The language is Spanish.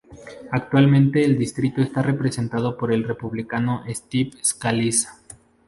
Actualmente el distrito está representado por el Republicano Steve Scalise.